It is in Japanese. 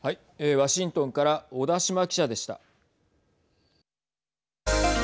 ワシントンから小田島記者でした。